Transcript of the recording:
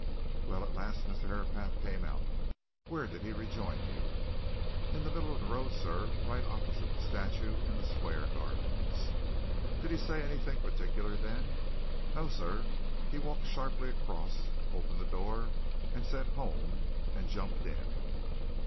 "Well, at last Mr. Herapath came out. Where did he rejoin you?" "In the middle of the road, sir right opposite that statue in the Square gardens." "Did he say anything particular then?" "No, sir. He walked sharply across, opened the door, said 'Home' and jumped in."